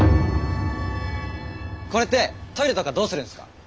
これってトイレとかどうするんすか？